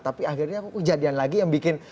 tapi akhirnya aku kejadian lagi yang bikin